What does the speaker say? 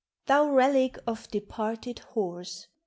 Thou relic of departed horse!